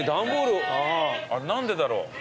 あれ何でだろう